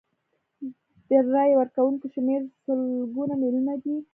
د رایې ورکوونکو شمیر سلګونه میلیونه دی.